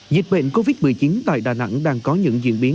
dịch bệnh covid một mươi chín tại đà nẵng đang có những diễn biến